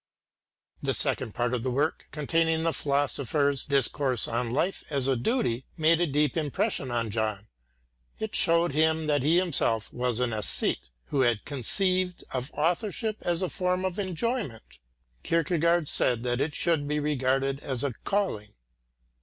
The second part of the work containing the philosopher's "Discourse on Life as a Duty," made a deeper impression on John. It showed him that he himself was an "æsthete" who had conceived of authorship as a form of enjoyment. Kierkegaard said that it should be regarded as a calling.